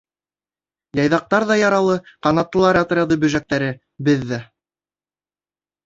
Яйҙаҡтар ҙа ярылы ҡанатлылар отряды бөжәктәре, беҙ ҙә!